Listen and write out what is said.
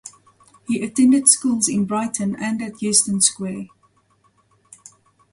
He attended schools in Brighton and at Euston Square.